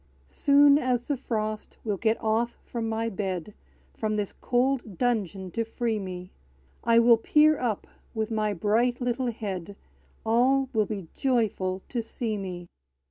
Soon as the frost will get off from my bed, From this cold dungeon to free me, I will peer up, with my bright little head; All will be joyful to see me!